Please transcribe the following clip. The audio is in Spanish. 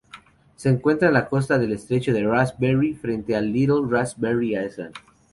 Se encuentra en la costa del estrecho de Raspberry, frente a Little Raspberry Island.